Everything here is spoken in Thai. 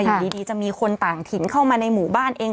อยู่ดีจะมีคนต่างถิ่นเข้ามาในหมู่บ้านเอง